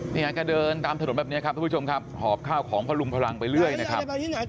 เนี่ยแกเดินตามถนนแบบนี้ครับทุกผู้ชมครับหอบข้าวของพลุงพลังไปเรื่อยนะครับ